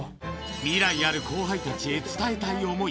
未来ある後輩たちへ伝えたい想い。